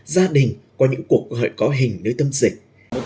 gia đình qua những cuộc gậy có hình nơi tâm dịch